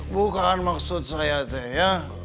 bukan maksud saya ya